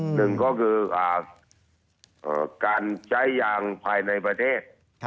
หนึ่งก็คือการใช้ยางภายในประเทศ